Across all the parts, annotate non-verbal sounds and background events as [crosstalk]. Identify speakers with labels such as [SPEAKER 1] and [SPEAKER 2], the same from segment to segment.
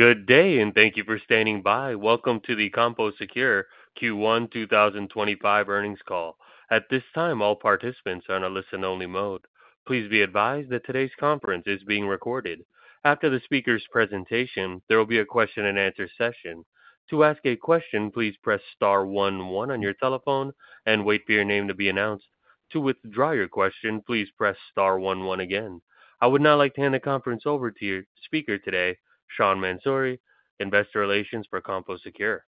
[SPEAKER 1] Good day, and thank you for standing by. Welcome to the CompoSecure Q1 2025 earnings call. At this time, all participants are in a listen-only mode. Please be advised that today's conference is being recorded. After the speaker's presentation, there will be a question-and-answer session. To ask a question, please press star one one on your telephone and wait for your name to be announced. To withdraw your question, please press star one one again. I would now like to hand the conference over to your speaker today, Sean Mansouri, Investor Relations for CompoSecure.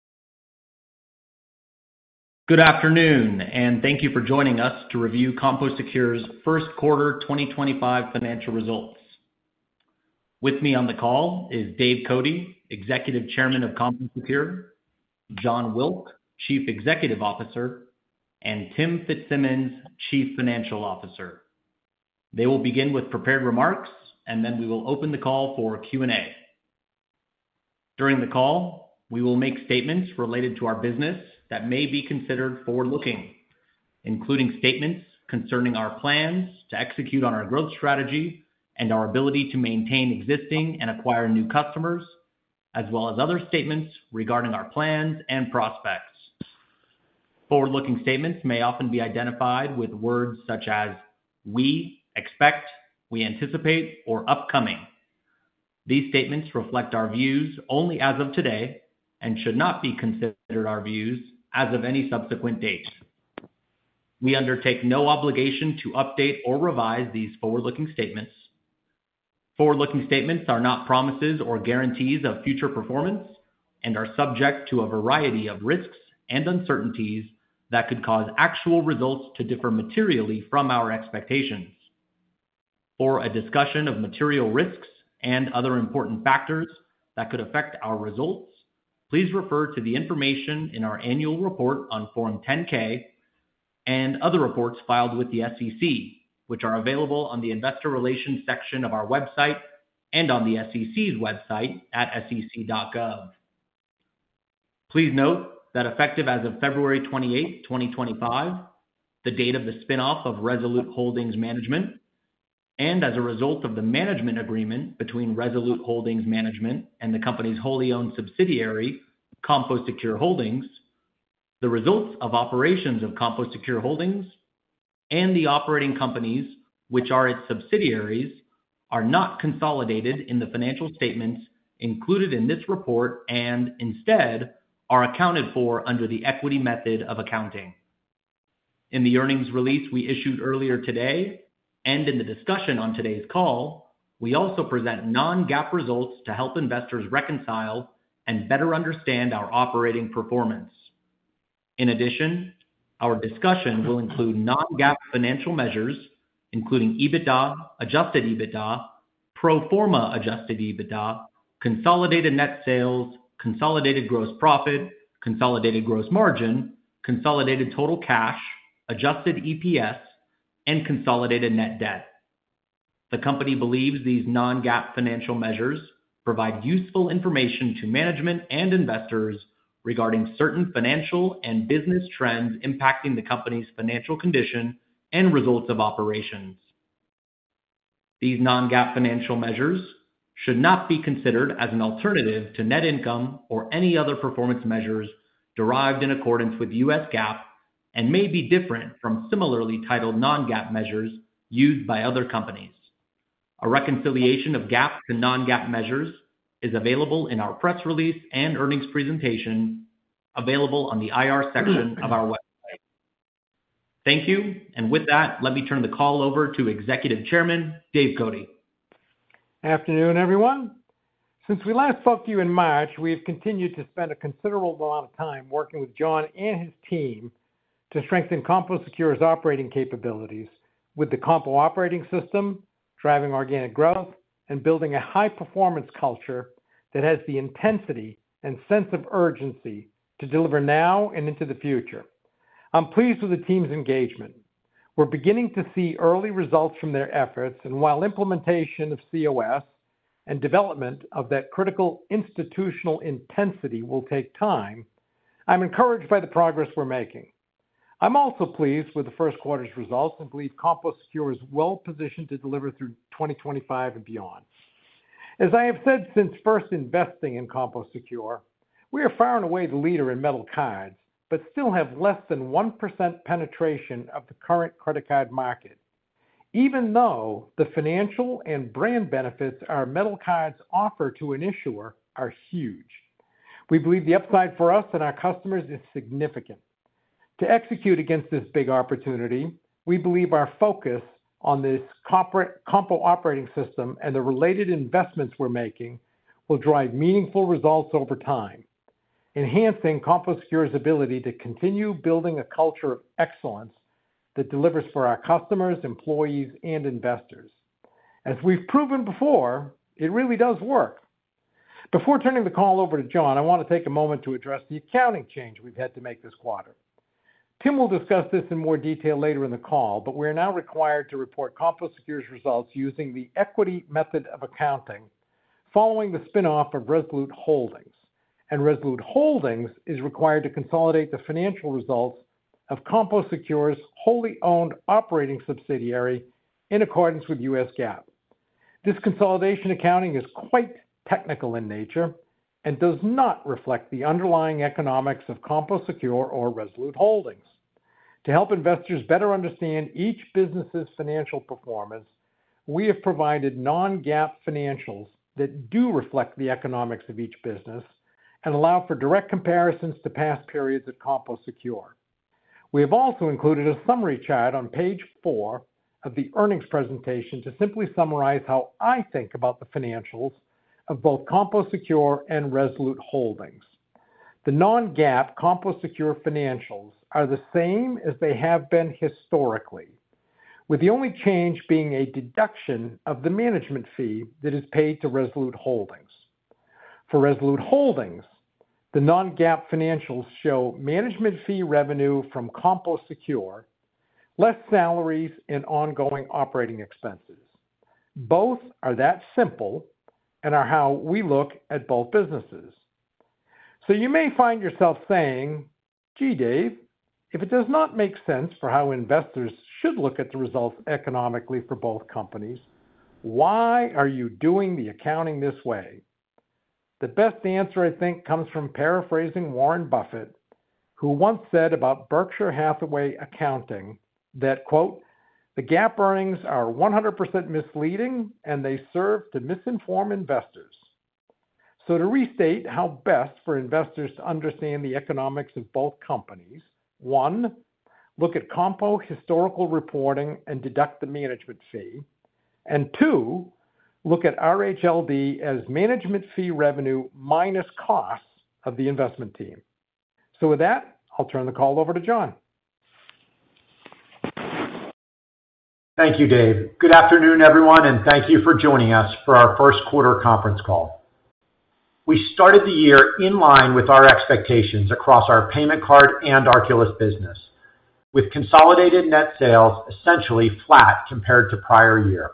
[SPEAKER 2] Good afternoon, and thank you for joining us to review CompoSecure's first quarter 2025 financial results. With me on the call is Dave Cote, Executive Chairman of CompoSecure, Jon Wilk, Chief Executive Officer, and Tim Fitzsimmons, Chief Financial Officer. They will begin with prepared remarks, and then we will open the call for Q&A. During the call, we will make statements related to our business that may be considered forward-looking, including statements concerning our plans to execute on our growth strategy and our ability to maintain existing and acquire new customers, as well as other statements regarding our plans and prospects. Forward-looking statements may often be identified with words such as "we," "expect," "we anticipate," or "upcoming." These statements reflect our views only as of today and should not be considered our views as of any subsequent date. We undertake no obligation to update or revise these forward-looking statements. Forward-looking statements are not promises or guarantees of future performance and are subject to a variety of risks and uncertainties that could cause actual results to differ materially from our expectations. For a discussion of material risks and other important factors that could affect our results, please refer to the information in our annual report on Form 10-K and other reports filed with the SEC, which are available on the Investor Relations section of our website and on the SEC's website at sec.gov. Please note that effective as of February 28, 2025, the date of the spinoff of Resolute Holdings Management, and as a result of the management agreement between Resolute Holdings Management and the company's wholly-owned subsidiary, CompoSecure Holdings, the results of operations of CompoSecure Holdings and the operating companies, which are its subsidiaries, are not consolidated in the financial statements included in this report and instead are accounted for under the equity method of accounting. In the earnings release we issued earlier today and in the discussion on today's call, we also present non-GAAP results to help investors reconcile and better understand our operating performance. In addition, our discussion will include non-GAAP financial measures, including EBITDA, adjusted EBITDA, pro forma adjusted EBITDA, consolidated net sales, consolidated gross profit, consolidated gross margin, consolidated total cash, adjusted EPS, and consolidated net debt. The company believes these non-GAAP financial measures provide useful information to management and investors regarding certain financial and business trends impacting the company's financial condition and results of operations. These non-GAAP financial measures should not be considered as an alternative to net income or any other performance measures derived in accordance with U.S. GAAP and may be different from similarly titled non-GAAP measures used by other companies. A reconciliation of GAAP to non-GAAP measures is available in our press release and earnings presentation available on the IR section of our website. Thank you, and with that, let me turn the call over to Executive Chairman Dave Cote.
[SPEAKER 3] Good afternoon, everyone. Since we last spoke to you in March, we have continued to spend a considerable amount of time working with Jon and his team to strengthen CompoSecure's operating capabilities with the Compo Operating System, driving organic growth, and building a high-performance culture that has the intensity and sense of urgency to deliver now and into the future. I'm pleased with the team's engagement. We're beginning to see early results from their efforts, and while implementation of COS and development of that critical institutional intensity will take time, I'm encouraged by the progress we're making. I'm also pleased with the first quarter's results and believe CompoSecure is well positioned to deliver through 2025 and beyond. As I have said since first investing in CompoSecure, we are far and away the leader in metal cards but still have less than 1% penetration of the current credit card market, even though the financial and brand benefits our metal cards offer to an issuer are huge. We believe the upside for us and our customers is significant. To execute against this big opportunity, we believe our focus on this Compo Operating System and the related investments we're making will drive meaningful results over time, enhancing CompoSecure's ability to continue building a culture of excellence that delivers for our customers, employees, and investors. As we've proven before, it really does work. Before turning the call over to Jon, I want to take a moment to address the accounting change we've had to make this quarter. Tim will discuss this in more detail later in the call, but we are now required to report CompoSecure's results using the equity method of accounting following the spinoff of Resolute Holdings. Resolute Holdings is required to consolidate the financial results of CompoSecure's wholly-owned operating subsidiary in accordance with U.S. GAAP. This consolidation accounting is quite technical in nature and does not reflect the underlying economics of CompoSecure or Resolute Holdings. To help investors better understand each business's financial performance, we have provided non-GAAP financials that do reflect the economics of each business and allow for direct comparisons to past periods at CompoSecure. We have also included a summary chart on page four of the earnings presentation to simply summarize how I think about the financials of both CompoSecure and Resolute Holdings. The non-GAAP CompoSecure financials are the same as they have been historically, with the only change being a deduction of the management fee that is paid to Resolute Holdings. For Resolute Holdings, the non-GAAP financials show management fee revenue from CompoSecure, less salaries, and ongoing operating expenses. Both are that simple and are how we look at both businesses. You may find yourself saying, "Gee, Dave, if it does not make sense for how investors should look at the results economically for both companies, why are you doing the accounting this way?" The best answer, I think, comes from paraphrasing Warren Buffett, who once said about Berkshire Hathaway accounting that, "The GAAP earnings are 100% misleading, and they serve to misinform investors." To restate how best for investors to understand the economics of both companies, one, look at Compo historical reporting and deduct the management fee, and two, look at RHLD as management fee revenue minus costs of the investment team. With that, I'll turn the call over to Jon.
[SPEAKER 4] Thank you, Dave. Good afternoon, everyone, and thank you for joining us for our first quarter conference call. We started the year in line with our expectations across our payment card and Arculus business, with consolidated net sales essentially flat compared to prior year.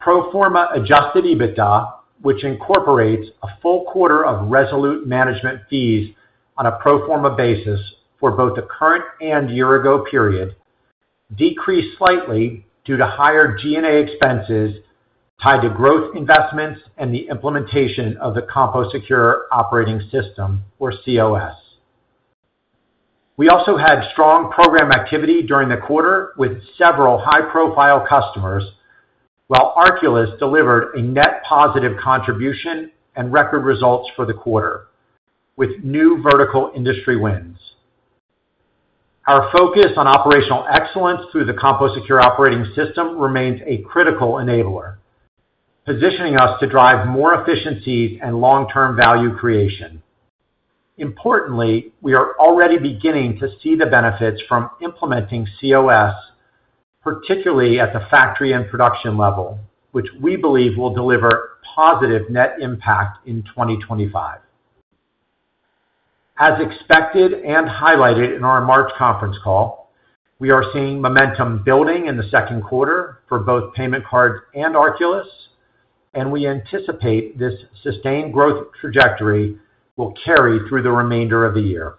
[SPEAKER 4] Pro forma adjusted EBITDA, which incorporates a full quarter of Resolute management fees on a pro forma basis for both the current and year-ago period, decreased slightly due to higher G&A expenses tied to growth investments and the implementation of the CompoSecure Operating system, or COS. We also had strong program activity during the quarter with several high-profile customers, while Arculus delivered a net positive contribution and record results for the quarter with new vertical industry wins. Our focus on operational excellence through the CompoSecure Operating system remains a critical enabler, positioning us to drive more efficiencies and long-term value creation. Importantly, we are already beginning to see the benefits from implementing COS, particularly at the factory and production level, which we believe will deliver positive net impact in 2025. As expected and highlighted in our March conference call, we are seeing momentum building in the second quarter for both payment cards and Arculus, and we anticipate this sustained growth trajectory will carry through the remainder of the year.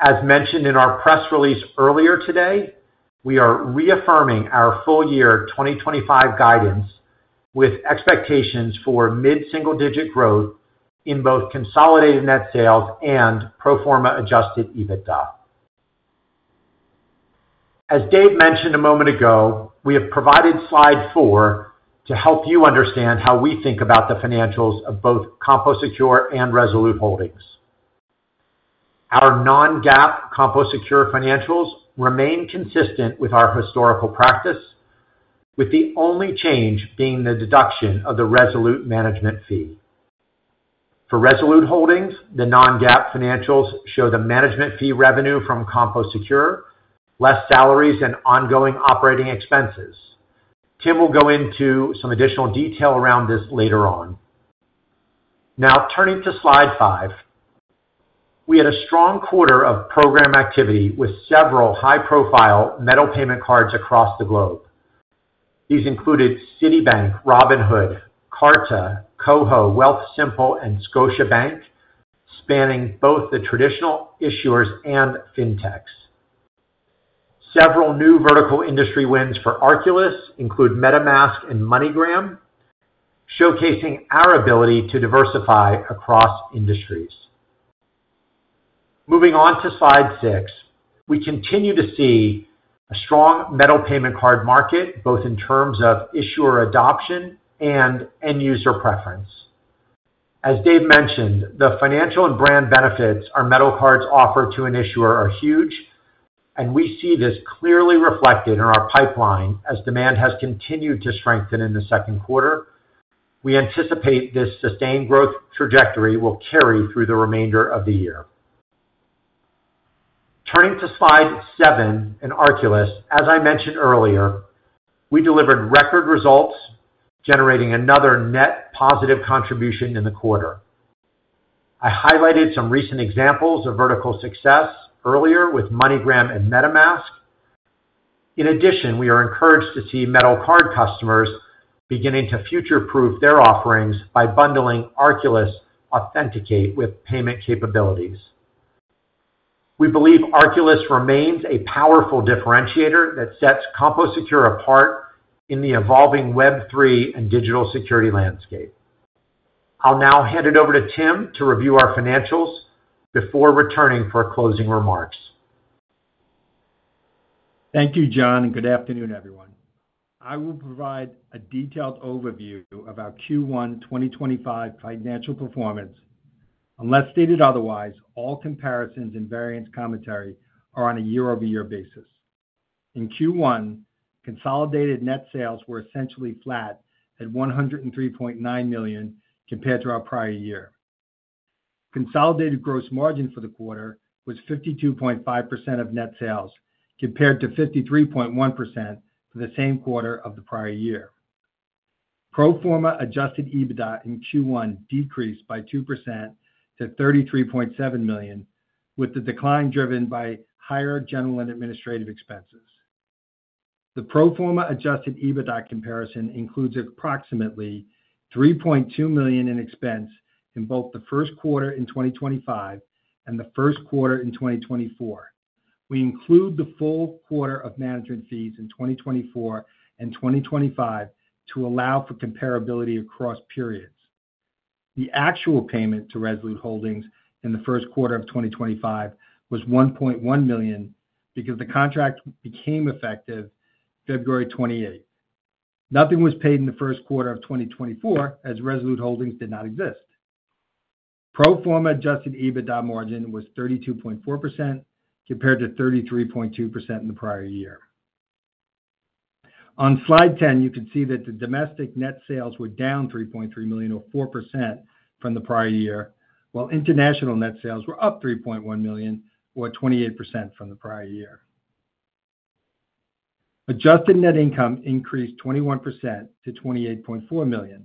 [SPEAKER 4] As mentioned in our press release earlier today, we are reaffirming our full-year 2025 guidance with expectations for mid-single-digit growth in both consolidated net sales and pro forma adjusted EBITDA. As Dave mentioned a moment ago, we have provided slide four to help you understand how we think about the financials of both CompoSecure and Resolute Holdings. Our non-GAAP CompoSecure financials remain consistent with our historical practice, with the only change being the deduction of the Resolute management fee. For Resolute Holdings, the non-GAAP financials show the management fee revenue from CompoSecure, less salaries, and ongoing operating expenses. Tim will go into some additional detail around this later on. Now, turning to slide five, we had a strong quarter of program activity with several high-profile metal payment cards across the globe. These included Citibank, Robinhood, Carta, KOHO, Wealthsimple, and Scotiabank, spanning both the traditional issuers and fintechs. Several new vertical industry wins for Arculus include MetaMask and MoneyGram, showcasing our ability to diversify across industries. Moving on to slide six, we continue to see a strong metal payment card market both in terms of issuer adoption and end-user preference. As Dave mentioned, the financial and brand benefits our metal cards offer to an issuer are huge, and we see this clearly reflected in our pipeline as demand has continued to strengthen in the second quarter. We anticipate this sustained growth trajectory will carry through the remainder of the year. Turning to slide seven in Arculus, as I mentioned earlier, we delivered record results, generating another net positive contribution in the quarter. I highlighted some recent examples of vertical success earlier with MoneyGram and MetaMask. In addition, we are encouraged to see metal card customers beginning to future-proof their offerings by bundling Arculus Authenticate with payment capabilities. We believe Arculus remains a powerful differentiator that sets CompoSecure apart in the evolving Web3 and digital security landscape. I'll now hand it over to Tim to review our financials before returning for closing remarks.
[SPEAKER 5] Thank you, Jon, and good afternoon, everyone. I will provide a detailed overview of our Q1 2025 financial performance. Unless stated otherwise, all comparisons and variance commentary are on a year-over-year basis. In Q1, consolidated net sales were essentially flat at $103.9 million compared to our prior year. Consolidated gross margin for the quarter was 52.5% of net sales compared to 53.1% for the same quarter of the prior year. Pro forma adjusted EBITDA in Q1 decreased by 2% to $33.7 million, with the decline driven by higher general and administrative expenses. The pro forma adjusted EBITDA comparison includes approximately $3.2 million in expense in both the first quarter in 2025 and the first quarter in 2024. We include the full quarter of management fees in 2024 and 2025 to allow for comparability across periods. The actual payment to Resolute Holdings in the first quarter of 2025 was $1.1 million because the contract became effective February 28th. Nothing was paid in the first quarter of 2024 as Resolute Holdings did not exist. Pro forma adjusted EBITDA margin was 32.4% compared to 33.2% in the prior year. On slide 10, you can see that the domestic net sales were down $3.3 million, or 4%, from the prior year, while international net sales were up $3.1 million, or 28%, from the prior year. Adjusted net income increased 21% to $28.4 million.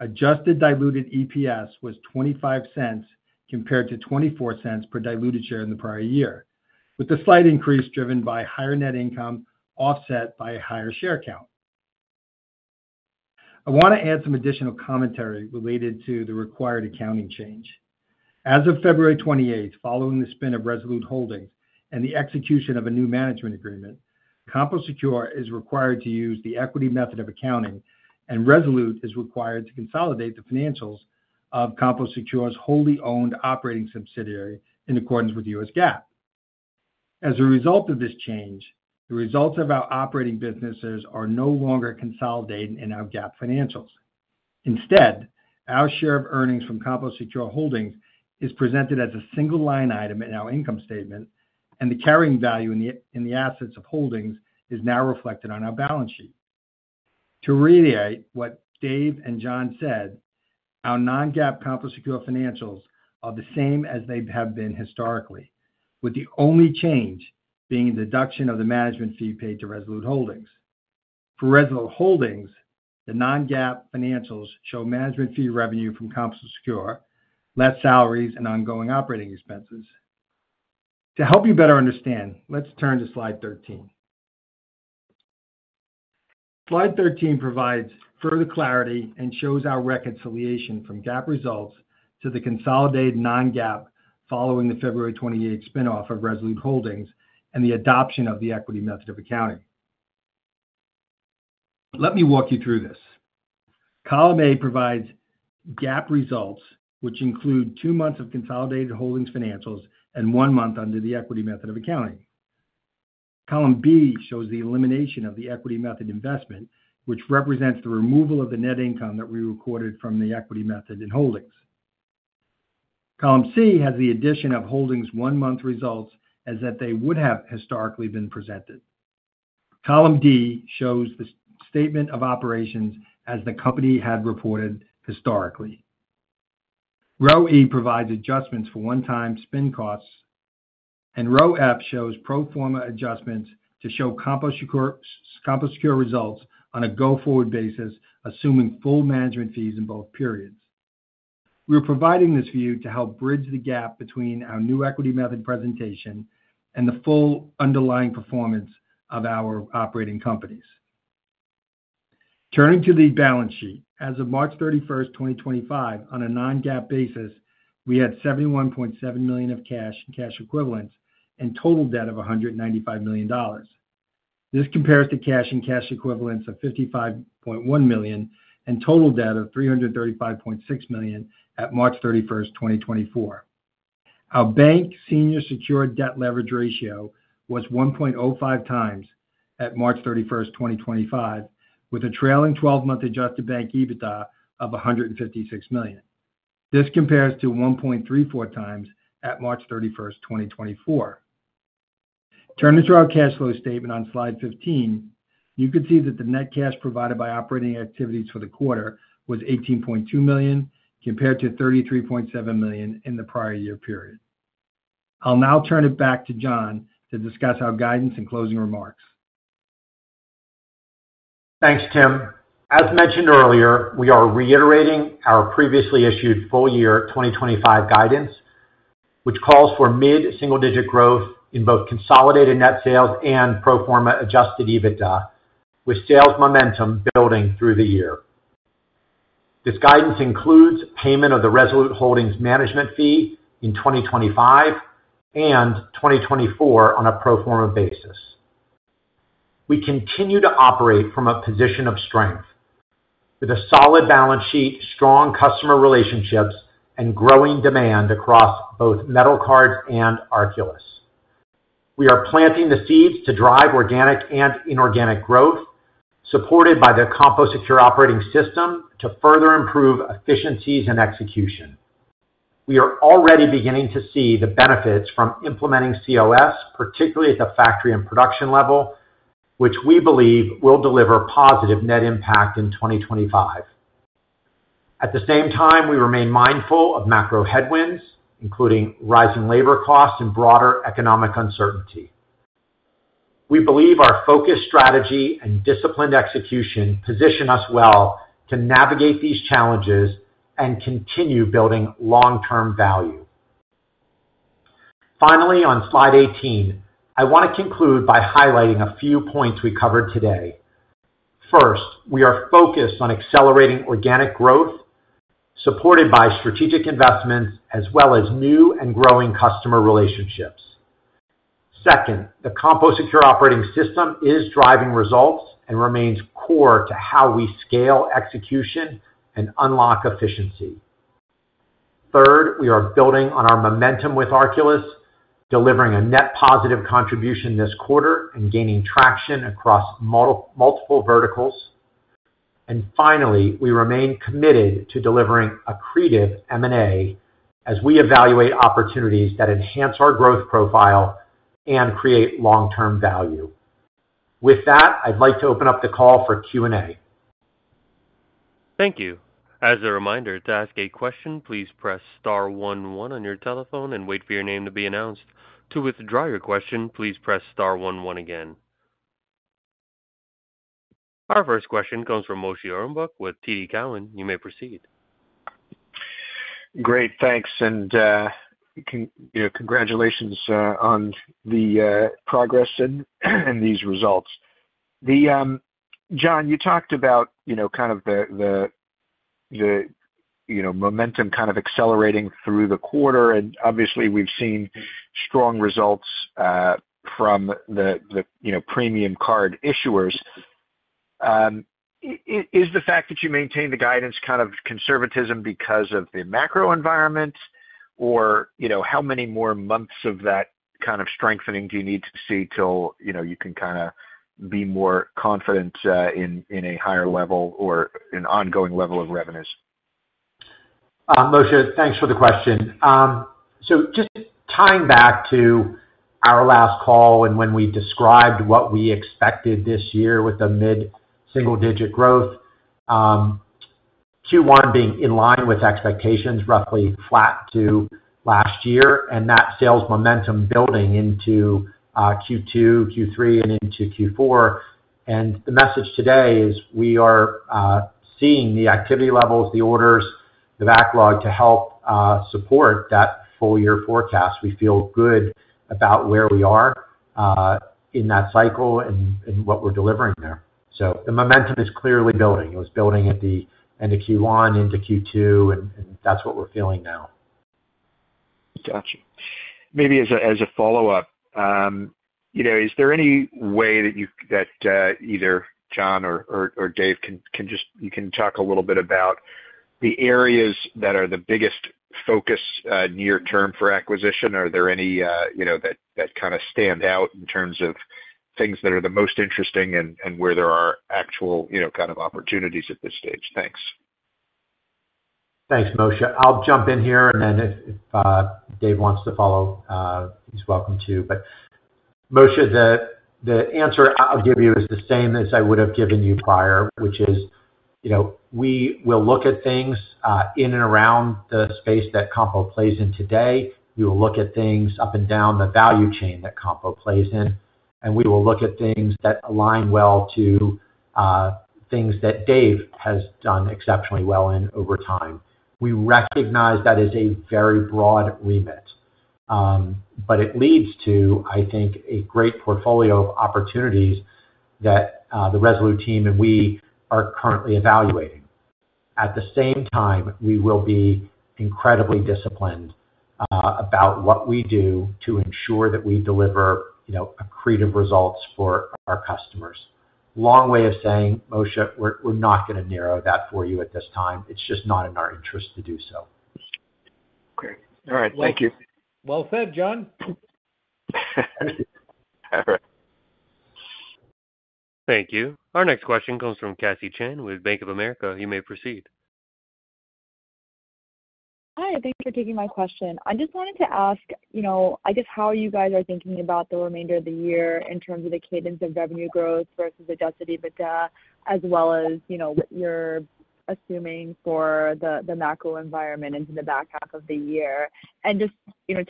[SPEAKER 5] Adjusted diluted EPS was $0.25 compared to $0.24 per diluted share in the prior year, with the slight increase driven by higher net income offset by a higher share count. I want to add some additional commentary related to the required accounting change. As of February 28th, following the spin of Resolute Holdings and the execution of a new management agreement, CompoSecure is required to use the equity method of accounting, and Resolute is required to consolidate the financials of CompoSecure's wholly-owned operating subsidiary in accordance with U.S. GAAP. As a result of this change, the results of our operating businesses are no longer consolidating in our GAAP financials. Instead, our share of earnings from CompoSecure Holdings is presented as a single line item in our income statement, and the carrying value in the assets of Holdings is now reflected on our balance sheet. To reiterate what Dave and Jon said, our non-GAAP CompoSecure financials are the same as they have been historically, with the only change being a deduction of the management fee paid to Resolute Holdings. For Resolute Holdings, the non-GAAP financials show management fee revenue from CompoSecure, less salaries, and ongoing operating expenses. To help you better understand, let's turn to slide 13. Slide 13 provides further clarity and shows our reconciliation from GAAP results to the consolidated non-GAAP following the February 28th spinoff of Resolute Holdings and the adoption of the equity method of accounting. Let me walk you through this. Column A provides GAAP results, which include two months of consolidated Holdings financials and one month under the equity method of accounting. Column B shows the elimination of the equity method investment, which represents the removal of the net income that we recorded from the equity method in Holdings. Column C has the addition of Holdings one-month results as they would have historically been presented. Column D shows the statement of operations as the company had reported historically. Row E provides adjustments for one-time spin costs, and Row F shows pro forma adjustments to show CompoSecure results on a go-forward basis, assuming full management fees in both periods. We are providing this view to help bridge the gap between our new equity method presentation and the full underlying performance of our operating companies. Turning to the balance sheet, as of March 31st, 2025, on a non-GAAP basis, we had $71.7 million of cash and cash equivalents and total debt of $195 million. This compares to cash and cash equivalents of $55.1 million and total debt of $335.6 million at March 31, 2024. Our bank senior secure debt leverage ratio was 1.05x at March 31, 2025, with a trailing 12-month adjusted bank EBITDA of $156 million. This compares to 1.34x at March 31, 2024. Turning to our cash flow statement on slide 15, you can see that the net cash provided by operating activities for the quarter was $18.2 million compared to $33.7 million in the prior year period. I'll now turn it back to Jon to discuss our guidance and closing remarks.
[SPEAKER 4] Thanks, Tim. As mentioned earlier, we are reiterating our previously issued full-year 2025 guidance, which calls for mid-single-digit growth in both consolidated net sales and pro forma adjusted EBITDA, with sales momentum building through the year. This guidance includes payment of the Resolute Holdings management fee in 2025 and 2024 on a pro forma basis. We continue to operate from a position of strength with a solid balance sheet, strong customer relationships, and growing demand across both metal cards and Arculus. We are planting the seeds to drive organic and inorganic growth, supported by the CompoSecure Operating system to further improve efficiencies and execution. We are already beginning to see the benefits from implementing COS, particularly at the factory and production level, which we believe will deliver positive net impact in 2025. At the same time, we remain mindful of macro headwinds, including rising labor costs and broader economic uncertainty. We believe our focused strategy and disciplined execution position us well to navigate these challenges and continue building long-term value. Finally, on slide 18, I want to conclude by highlighting a few points we covered today. First, we are focused on accelerating organic growth supported by strategic investments as well as new and growing customer relationships. Second, the CompoSecure Operating system is driving results and remains core to how we scale execution and unlock efficiency. Third, we are building on our momentum with Arculus, delivering a net positive contribution this quarter and gaining traction across multiple verticals. Finally, we remain committed to delivering accretive M&A as we evaluate opportunities that enhance our growth profile and create long-term value. With that, I'd like to open up the call for Q&A.
[SPEAKER 2] Thank you. As a reminder, to ask a question, please press star one one on your telephone and wait for your name to be announced. To withdraw your question, please press star one one again. Our first question comes from Moshe Orenbuch with TD Cowen. You may proceed.
[SPEAKER 6] Great. Thanks. And congratulations on the progress and these results. Jon, you talked about kind of the momentum kind of accelerating through the quarter. Obviously, we've seen strong results from the premium card issuers. Is the fact that you maintain the guidance kind of conservatism because of the macro environment, or how many more months of that kind of strengthening do you need to see till you can kind of be more confident in a higher level or an ongoing level of revenues?
[SPEAKER 4] Moshe, thanks for the question. Just tying back to our last call and when we described what we expected this year with the mid-single-digit growth, Q1 being in line with expectations, roughly flat to last year, and that sales momentum building into Q2, Q3, and into Q4. The message today is we are seeing the activity levels, the orders, the backlog to help support that full-year forecast. We feel good about where we are in that cycle and what we're delivering there. The momentum is clearly building. It was building at the end of Q1 into Q2, and that's what we're feeling now.
[SPEAKER 6] Gotcha. Maybe as a follow-up, is there any way that either Jon or Dave can just talk a little bit about the areas that are the biggest focus near-term for acquisition? Are there any that kind of stand out in terms of things that are the most interesting and where there are actual kind of opportunities at this stage? Thanks.
[SPEAKER 4] Thanks, Moshe. I'll jump in here, and then if Dave wants to follow, he's welcome to. Moshe, the answer I'll give you is the same as I would have given you prior, which is we will look at things in and around the space that Compo plays in today. We will look at things up and down the value chain that Compo plays in, and we will look at things that align well to things that Dave has done exceptionally well in over time. We recognize that is a very broad remit, but it leads to, I think, a great portfolio of opportunities that the Resolute team and we are currently evaluating. At the same time, we will be incredibly disciplined about what we do to ensure that we deliver accretive results for our customers. Long way of saying, Moshe, we're not going to narrow that for you at this time. It's just not in our interest to do so.
[SPEAKER 6] Okay. All right. Thank you.
[SPEAKER 3] Well said, Jon.
[SPEAKER 1] All right. Thank you. Our next question comes from Cassie Chan with Bank of America. You may proceed.
[SPEAKER 7] Hi. Thanks for taking my question. I just wanted to ask, I guess, how you guys are thinking about the remainder of the year in terms of the cadence of revenue growth versus adjusted EBITDA, as well as what you're assuming for the macro environment into the back half of the year. Just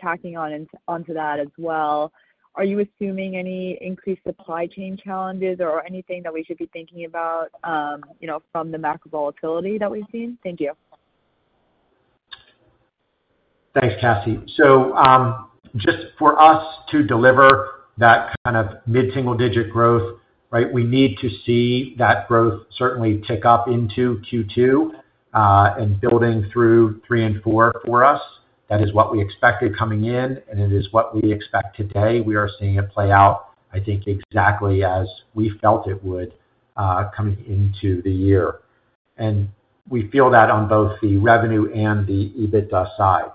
[SPEAKER 7] tacking onto that as well, are you assuming any increased supply chain challenges or anything that we should be thinking about from the macro volatility that we've seen? Thank you.
[SPEAKER 4] Thanks, Cassie. Just for us to deliver that kind of mid-single-digit growth, right, we need to see that growth certainly tick up into Q2 and building through Q3 and Q4 for us. That is what we expected coming in, and it is what we expect today. We are seeing it play out, I think, exactly as we felt it would coming into the year. We feel that on both the revenue and the EBITDA side.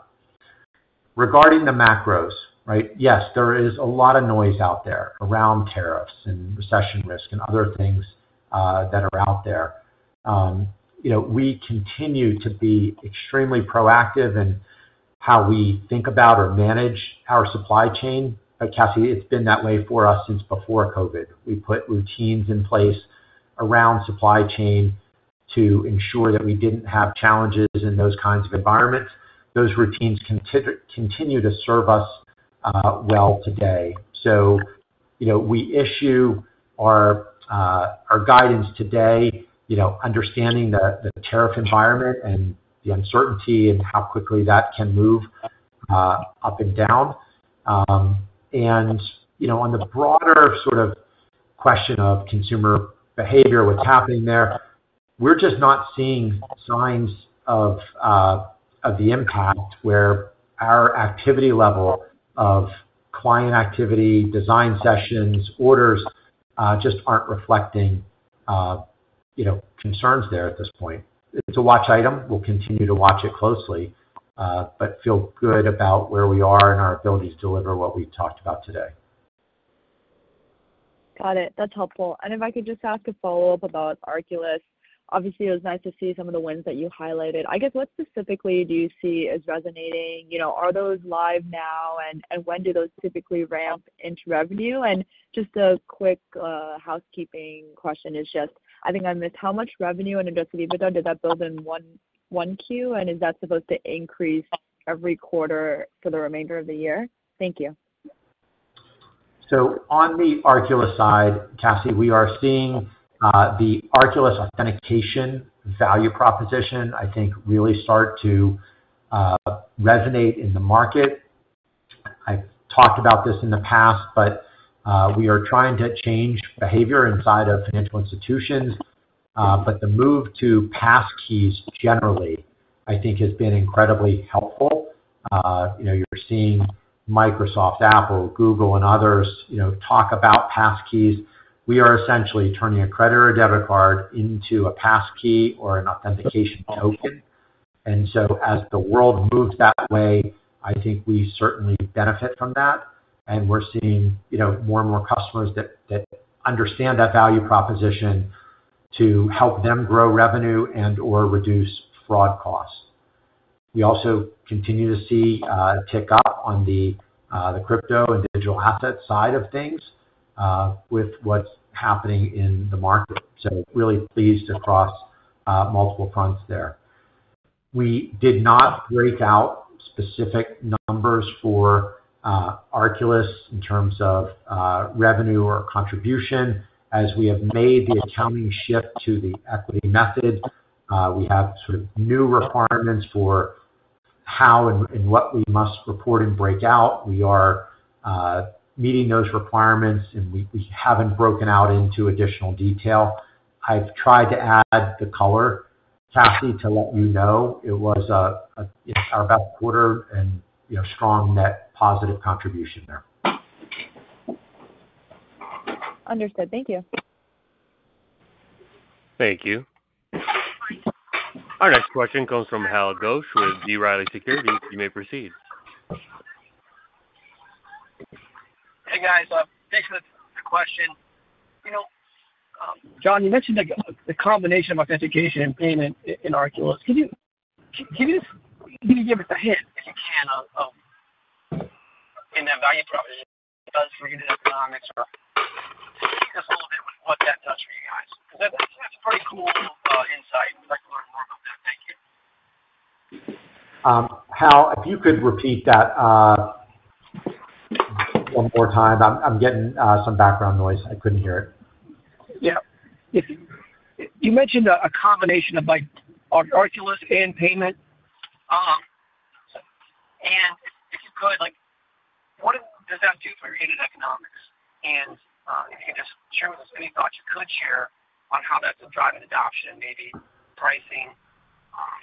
[SPEAKER 4] Regarding the macros, right, yes, there is a lot of noise out there around tariffs and recession risk and other things that are out there. We continue to be extremely proactive in how we think about or manage our supply chain. Cassie, it has been that way for us since before COVID. We put routines in place around supply chain to ensure that we did not have challenges in those kinds of environments. Those routines continue to serve us well today. We issue our guidance today, understanding the tariff environment and the uncertainty and how quickly that can move up and down. On the broader sort of question of consumer behavior, what's happening there, we're just not seeing signs of the impact where our activity level of client activity, design sessions, orders just aren't reflecting concerns there at this point. It's a watch item. We'll continue to watch it closely, but feel good about where we are and our ability to deliver what we talked about today.
[SPEAKER 7] Got it. That's helpful. If I could just ask a follow-up about Arculus. Obviously, it was nice to see some of the wins that you highlighted. I guess, what specifically do you see as resonating? Are those live now, and when do those typically ramp into revenue? Just a quick housekeeping question is just, I think I missed how much revenue under adjusted EBITDA. Does that build in one Q, and is that supposed to increase every quarter for the remainder of the year? Thank you.
[SPEAKER 4] On the Arculus side, Cassie, we are seeing the Arculus Authentication value proposition, I think, really start to resonate in the market. I have talked about this in the past, but we are trying to change behavior inside of financial institutions. The move to passkeys generally, I think, has been incredibly helpful. You are seeing Microsoft, Apple, Google, and others talk about passkeys. We are essentially turning a credit or a debit card into a passkey or an authentication token. As the world moves that way, I think we certainly benefit from that. We are seeing more and more customers that understand that value proposition to help them grow revenue and/or reduce fraud costs. We also continue to see a tick up on the crypto and digital asset side of things with what is happening in the market. Really pleased across multiple fronts there. We did not break out specific numbers for Arculus in terms of revenue or contribution. As we have made the accounting shift to the equity method, we have sort of new requirements for how and what we must report and break out. We are meeting those requirements, and we have not broken out into additional detail. I have tried to add the color, Cassie, to let you know it was our best quarter and strong net positive contribution there.
[SPEAKER 7] Understood. Thank you.
[SPEAKER 1] Thank you. Our next question comes from Hal Goetsch with B.Riley Securities. You may proceed.
[SPEAKER 8] Hey, guys. Thanks for the question. Jon, you mentioned the combination of authentication and payment in Arculus. Can you give us a hint, [audio distortion]
[SPEAKER 4] Hal, if you could repeat that one more time. I'm getting some background noise. I couldn't hear it.
[SPEAKER 8] Yeah. You mentioned a combination of Arculus and payment. If you could, what does that do for your end of economics? If you could just share with us any thoughts you could share on how that's driving adoption, maybe pricing.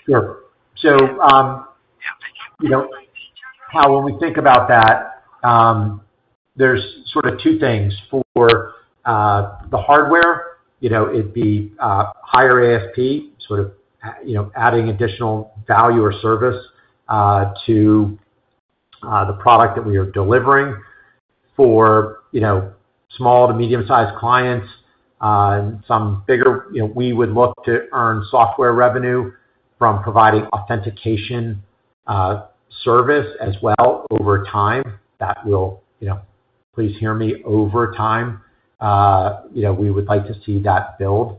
[SPEAKER 4] Sure. So Hal, when we think about that, there's sort of two things. For the hardware, it'd be higher ASP, sort of adding additional value or service to the product that we are delivering. For small to medium-sized clients and some bigger, we would look to earn software revenue from providing authentication service as well over time. That will, please hear me, over time. We would like to see that build.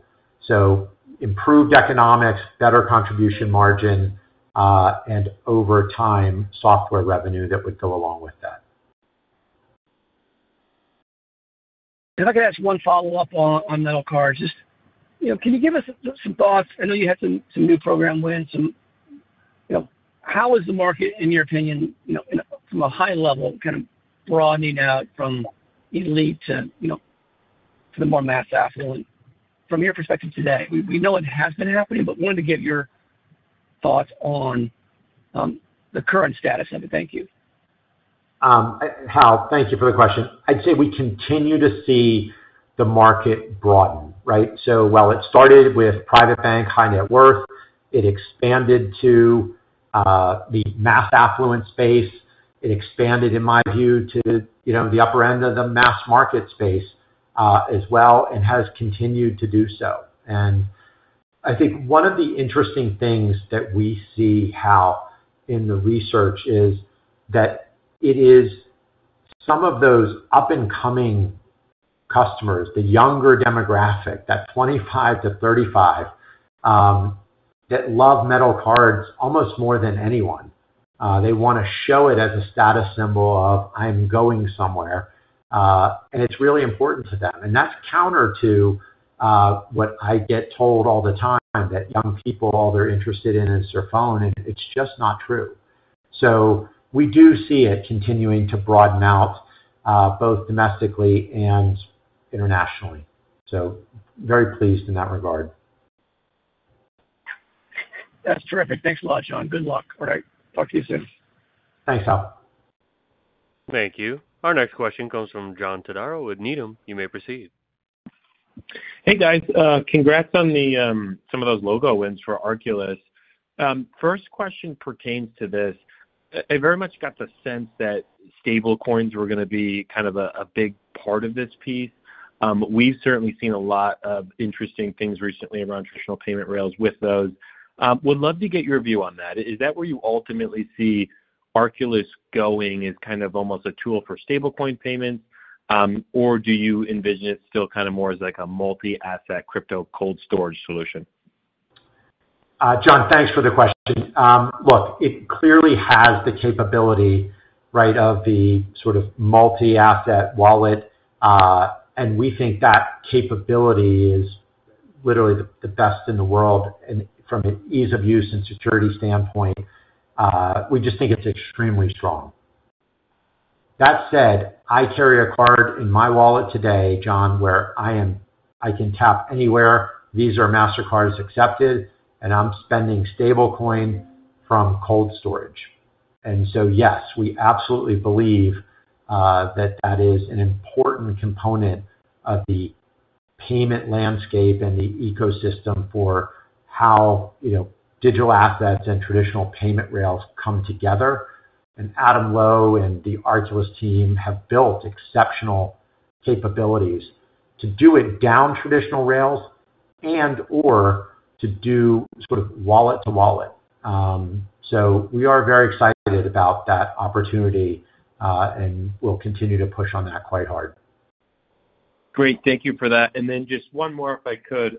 [SPEAKER 4] Improved economics, better contribution margin, and over time, software revenue that would go along with that.
[SPEAKER 8] If I could ask one follow-up on metal cards, just can you give us some thoughts? I know you had some new program wins. How is the market, in your opinion, from a high level, kind of broadening out from elite to the more mass affluent? From your perspective today, we know it has been happening, but wanted to get your thoughts on the current status of it. Thank you.
[SPEAKER 4] Hal, thank you for the question. I'd say we continue to see the market broaden, right? While it started with private bank, high net worth, it expanded to the mass affluent space. It expanded, in my view, to the upper end of the mass market space as well and has continued to do so. I think one of the interesting things that we see, Hal, in the research is that it is some of those up-and-coming customers, the younger demographic, that 25-35 that love metal cards almost more than anyone. They want to show it as a status symbol of, "I'm going somewhere." It's really important to them. That's counter to what I get told all the time that young people, all they're interested in is their phone, and it's just not true. We do see it continuing to broaden out both domestically and internationally. Very pleased in that regard.
[SPEAKER 8] That's terrific. Thanks a lot, Jon. Good luck. All right. Talk to you soon.
[SPEAKER 4] Thanks, Hal.
[SPEAKER 1] Thank you. Our next question comes from Jon Todaro with Needham. You may proceed.
[SPEAKER 9] Hey, guys. Congrats on some of those logo wins for Arculus. First question pertains to this. I very much got the sense that stablecoins were going to be kind of a big part of this piece. We've certainly seen a lot of interesting things recently around traditional payment rails with those. Would love to get your view on that. Is that where you ultimately see Arculus going as kind of almost a tool for stablecoin payments, or do you envision it still kind of more as a multi-asset crypto cold storage solution?
[SPEAKER 4] Jon, thanks for the question. Look, it clearly has the capability, right, of the sort of multi-asset wallet. And we think that capability is literally the best in the world from an ease of use and security standpoint. We just think it's extremely strong. That said, I carry a card in my wallet today, Jon, where I can tap anywhere. These are Mastercards accepted, and I'm spending stablecoin from cold storage. And yes, we absolutely believe that that is an important component of the payment landscape and the ecosystem for how digital assets and traditional payment rails come together. Adam Lowe and the Arculus team have built exceptional capabilities to do it down traditional rails and/or to do sort of wallet to wallet. We are very excited about that opportunity, and we'll continue to push on that quite hard.
[SPEAKER 9] Great. Thank you for that. Just one more, if I could.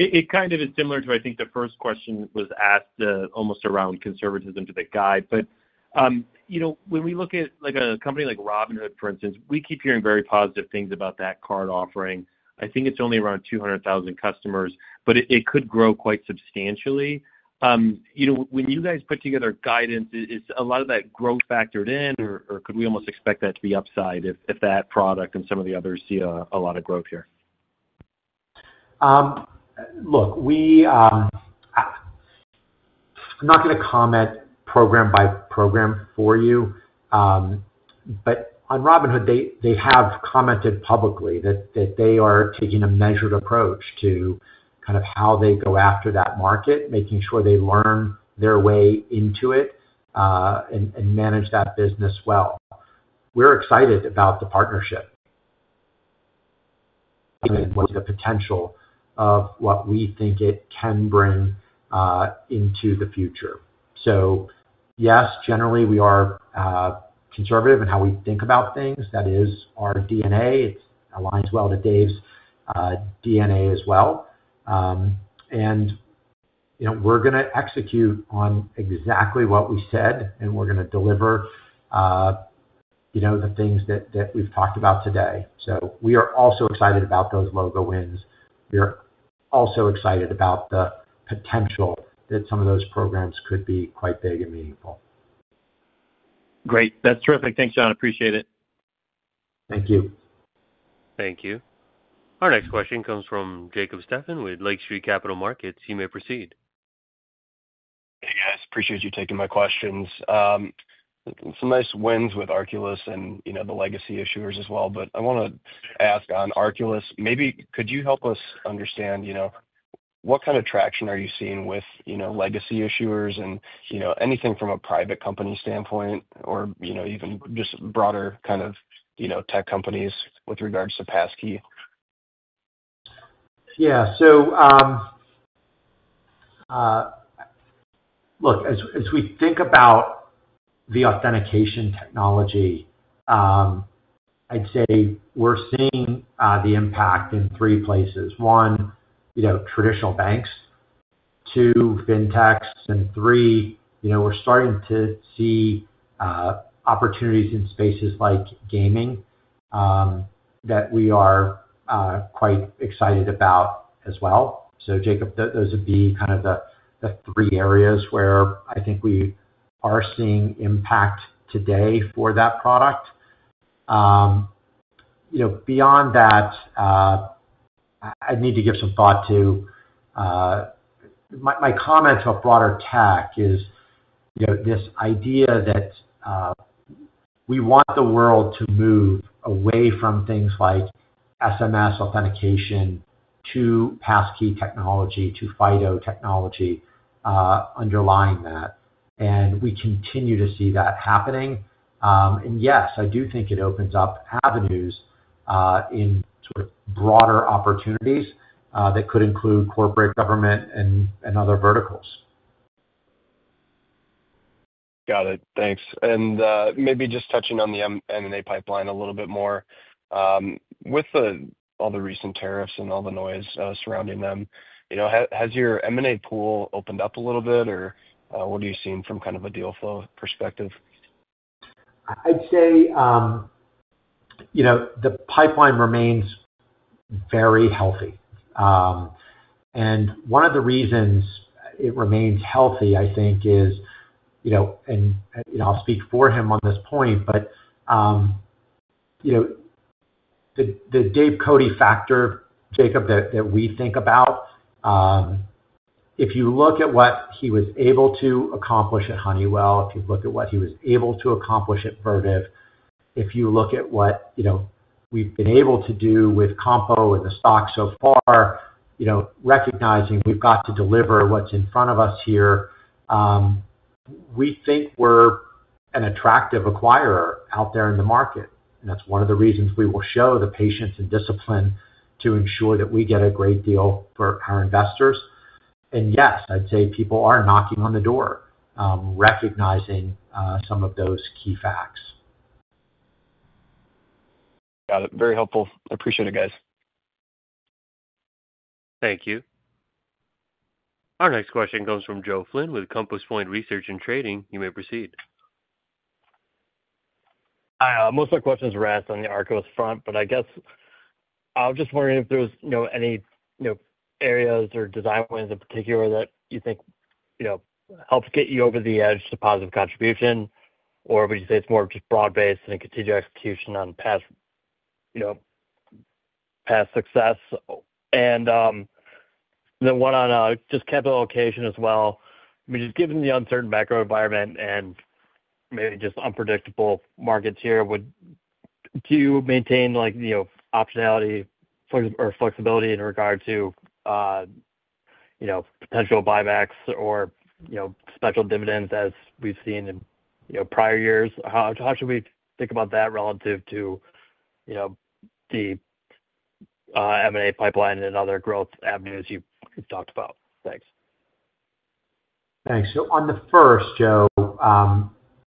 [SPEAKER 9] It kind of is similar to, I think, the first question was asked almost around conservatism to the guide. When we look at a company like Robinhood, for instance, we keep hearing very positive things about that card offering. I think it's only around 200,000 customers, but it could grow quite substantially. When you guys put together guidance, is a lot of that growth factored in, or could we almost expect that to be upside if that product and some of the others see a lot of growth here?
[SPEAKER 4] Look, I'm not going to comment program by program for you. On Robinhood, they have commented publicly that they are taking a measured approach to kind of how they go after that market, making sure they learn their way into it and manage that business well. We're excited about the partnership and the potential of what we think it can bring into the future. Yes, generally, we are conservative in how we think about things. That is our DNA. It aligns well to Dave's DNA as well. We're going to execute on exactly what we said, and we're going to deliver the things that we've talked about today. We are also excited about those logo wins. We are also excited about the potential that some of those programs could be quite big and meaningful.
[SPEAKER 9] Great. That's terrific. Thanks, Jon. Appreciate it.
[SPEAKER 4] Thank you.
[SPEAKER 1] Thank you. Our next question comes from Jacob Michael Stephan with Lake Street Capital Markets. You may proceed.
[SPEAKER 10] Hey, guys. Appreciate you taking my questions. Some nice wins with Arculus and the legacy issuers as well. I want to ask on Arculus, maybe could you help us understand what kind of traction are you seeing with legacy issuers and anything from a private company standpoint or even just broader kind of tech companies with regards to passkey?
[SPEAKER 4] Yeah. So look, as we think about the authentication technology, I'd say we're seeing the impact in three places. One, traditional banks. Two, fintechs. Three, we're starting to see opportunities in spaces like gaming that we are quite excited about as well. Jacob, those would be kind of the three areas where I think we are seeing impact today for that product. Beyond that, I need to give some thought to my comments of broader tech is this idea that we want the world to move away from things like SMS authentication to passkey technology, to FIDO technology underlying that. We continue to see that happening. Yes, I do think it opens up avenues in sort of broader opportunities that could include corporate, government, and other verticals.
[SPEAKER 10] Got it. Thanks. Maybe just touching on the M&A pipeline a little bit more. With all the recent tariffs and all the noise surrounding them, has your M&A pool opened up a little bit, or what are you seeing from kind of a deal flow perspective?
[SPEAKER 4] I'd say the pipeline remains very healthy. One of the reasons it remains healthy, I think, is—I will speak for him on this point—but the Dave Cote factor, Jacob, that we think about. If you look at what he was able to accomplish at Honeywell, if you look at what he was able to accomplish at Vertiv, if you look at what we have been able to do with Compo and the stock so far, recognizing we have to deliver what is in front of us here, we think we are an attractive acquirer out there in the market. That is one of the reasons we will show the patience and discipline to ensure that we get a great deal for our investors. Yes, I would say people are knocking on the door, recognizing some of those key facts.
[SPEAKER 10] Got it. Very helpful. Appreciate it, guys.
[SPEAKER 1] Thank you. Our next question comes from Joe Flynn with Compass Point Research and Trading. You may proceed.
[SPEAKER 11] Most of the questions were asked on the Arculus front, but I guess I was just wondering if there were any areas or design wins in particular that you think helped get you over the edge to positive contribution, or would you say it's more just broad-based and continue execution on past success? I mean, just given the uncertain macro environment and maybe just unpredictable markets here, do you maintain optionality or flexibility in regard to potential buybacks or special dividends as we've seen in prior years? How should we think about that relative to the M&A pipeline and other growth avenues you've talked about? Thanks.
[SPEAKER 4] Thanks. On the first, Joe,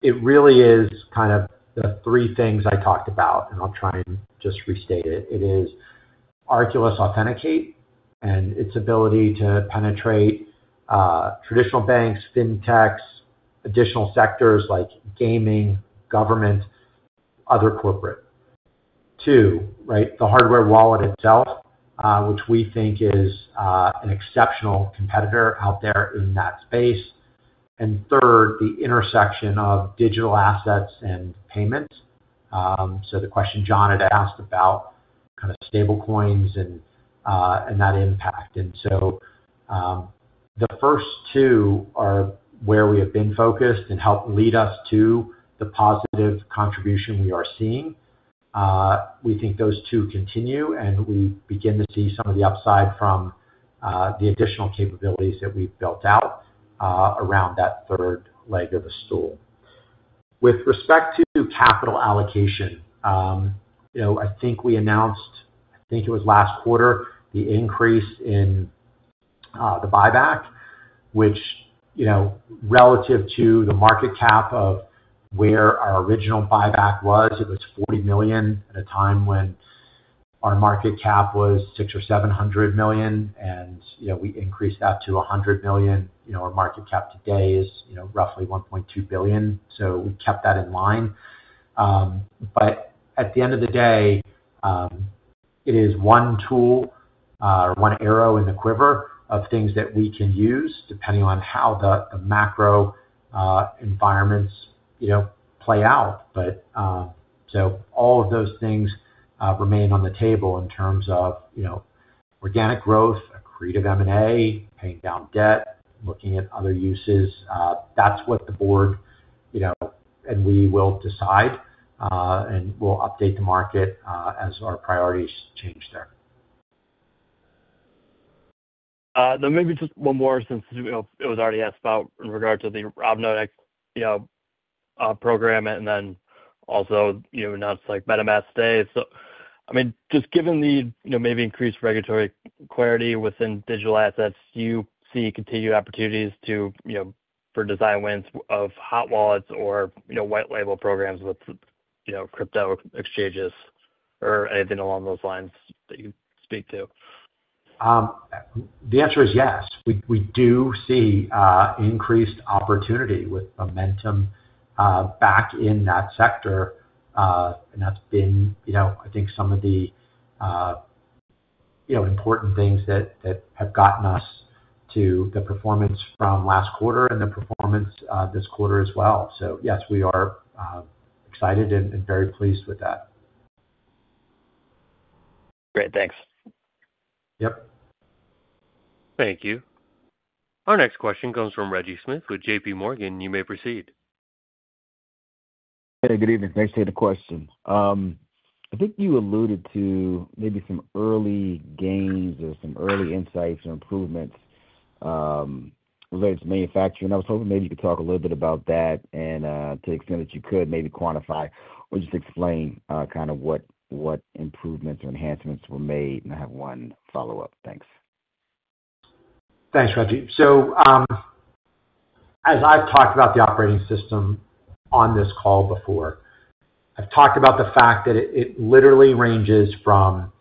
[SPEAKER 4] it really is kind of the three things I talked about, and I'll try and just restate it. It is Arculus Authenticate and its ability to penetrate traditional banks, fintechs, additional sectors like gaming, government, other corporate. Two, right, the hardware wallet itself, which we think is an exceptional competitor out there in that space. Third, the intersection of digital assets and payments. The question Jon had asked about kind of stablecoins and that impact. The first two are where we have been focused and helped lead us to the positive contribution we are seeing. We think those two continue, and we begin to see some of the upside from the additional capabilities that we've built out around that third leg of the stool. With respect to capital allocation, I think we announced, I think it was last quarter, the increase in the buyback, which relative to the market cap of where our original buyback was, it was $40 million at a time when our market cap was $600 million or $700 million. And we increased that to $100 million. Our market cap today is roughly $1.2 billion. We kept that in line. At the end of the day, it is one tool or one arrow in the quiver of things that we can use depending on how the macro environments play out. All of those things remain on the table in terms of organic growth, accretive M&A, paying down debt, looking at other uses. That is what the board and we will decide, and we'll update the market as our priorities change there.
[SPEAKER 10] Now, maybe just one more since it was already asked about in regard to the Robinhood program and then also announced like MetaMask today. I mean, just given the maybe increased regulatory clarity within digital assets, do you see continued opportunities for design wins of hot wallets or white label programs with crypto exchanges or anything along those lines that you speak to?
[SPEAKER 4] The answer is yes. We do see increased opportunity with momentum back in that sector. That has been, I think, some of the important things that have gotten us to the performance from last quarter and the performance this quarter as well. Yes, we are excited and very pleased with that.
[SPEAKER 10] Great. Thanks.
[SPEAKER 4] Yep.
[SPEAKER 1] Thank you. Our next question comes from Reggie Smith with JPMorgan. You may proceed.
[SPEAKER 12] Hey, good evening. Thanks for the question. I think you alluded to maybe some early gains or some early insights or improvements related to manufacturing. I was hoping maybe you could talk a little bit about that and to the extent that you could maybe quantify or just explain kind of what improvements or enhancements were made. I have one follow-up. Thanks.
[SPEAKER 4] Thanks, Reggie. As I've talked about the operating system on this call before, I've talked about the fact that it literally ranges from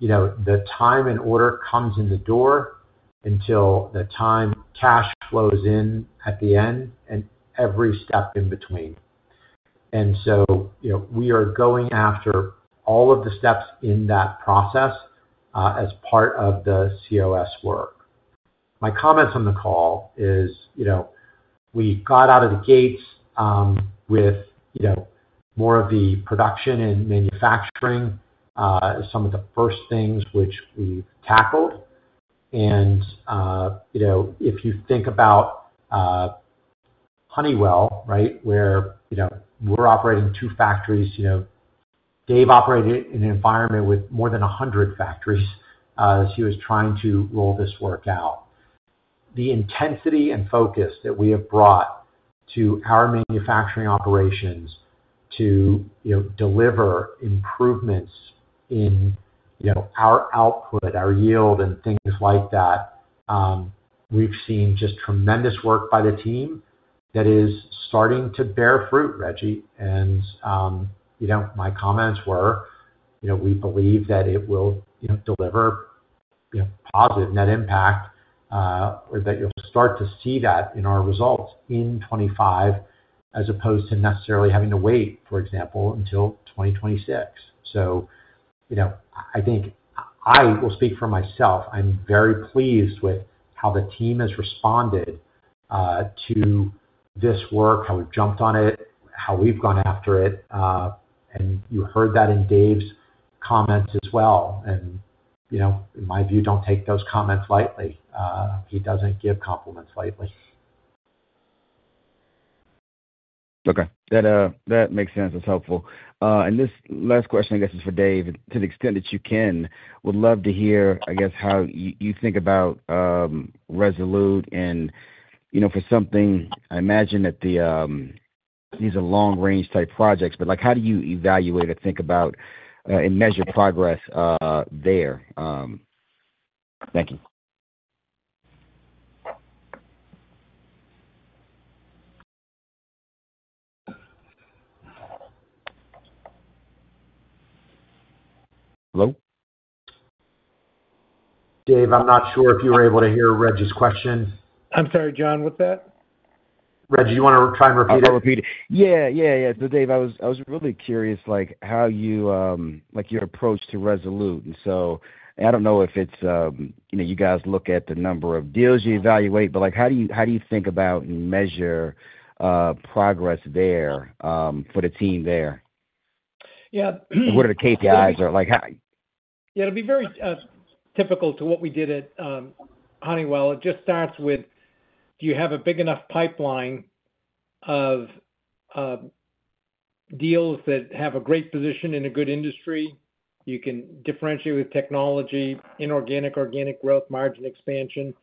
[SPEAKER 4] the time an order comes in the door until the time cash flows in at the end and every step in between. We are going after all of the steps in that process as part of the COS work. My comments on the call is we got out of the gates with more of the production and manufacturing as some of the first things which we've tackled. If you think about Honeywell, right, where we're operating two factories, Dave operated in an environment with more than 100 factories as he was trying to roll this work out. The intensity and focus that we have brought to our manufacturing operations to deliver improvements in our output, our yield, and things like that, we've seen just tremendous work by the team that is starting to bear fruit, Reggie. My comments were we believe that it will deliver positive net impact or that you'll start to see that in our results in 2025 as opposed to necessarily having to wait, for example, until 2026. I think I will speak for myself. I'm very pleased with how the team has responded to this work, how we've jumped on it, how we've gone after it. You heard that in Dave's comments as well. In my view, don't take those comments lightly. He doesn't give compliments lightly.
[SPEAKER 12] Okay. That makes sense. That's helpful. This last question, I guess, is for Dave. To the extent that you can, would love to hear, I guess, how you think about Resolute and for something, I imagine that these are long-range type projects, but how do you evaluate or think about and measure progress there? Thank you. Hello?
[SPEAKER 4] Dave, I'm not sure if you were able to hear Reggie's question.
[SPEAKER 3] I'm sorry, Jon, what's that?
[SPEAKER 4] Reggie, you want to try and repeat it?
[SPEAKER 12] I'll repeat it. Yeah, yeah. So Dave, I was really curious how your approach to Resolute. And so I don't know if you guys look at the number of deals you evaluate, but how do you think about and measure progress there for the team there?
[SPEAKER 3] Yeah.
[SPEAKER 12] What are the KPIs or?
[SPEAKER 3] Yeah. It'll be very typical to what we did at Honeywell. It just starts with, do you have a big enough pipeline of deals that have a great position in a good industry? You can differentiate with technology, inorganic, organic growth, margin expansion.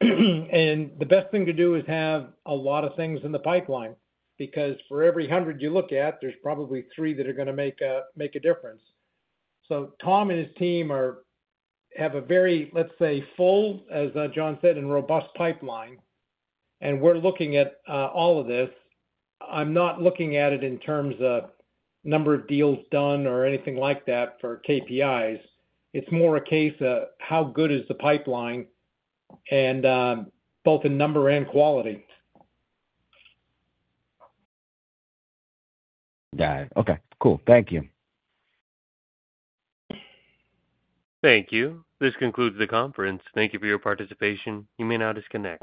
[SPEAKER 3] The best thing to do is have a lot of things in the pipeline because for every 100 you look at, there's probably three that are going to make a difference. Tom and his team have a very, let's say, full, as Jon said, and robust pipeline. We're looking at all of this. I'm not looking at it in terms of number of deals done or anything like that for KPIs. It's more a case of how good is the pipeline and both in number and quality.
[SPEAKER 12] Got it. Okay. Cool. Thank you.
[SPEAKER 1] Thank you. This concludes the conference. Thank you for your participation. You may now disconnect.